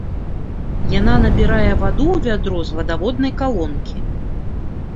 Яна набірае ваду ў вядро з вадаводнай калонкі.